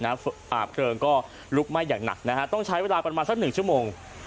เพลิงก็ลุกไหม้อย่างหนักนะฮะต้องใช้เวลาประมาณสักหนึ่งชั่วโมง